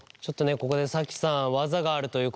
ここでＳａｋｉさん技があるということで。